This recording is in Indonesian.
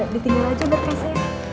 ditinggal aja berkasnya